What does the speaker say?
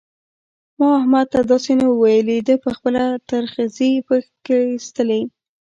ما احمد ته داسې نه وو ويلي؛ ده په خپله ترخځي په کښېيستلې.